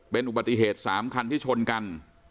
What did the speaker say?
เป็นอุบัติเหตุ๓คันที่ชนกัน